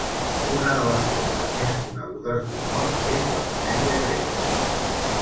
Una de les formes més conegudes d'humor és la comèdia grega.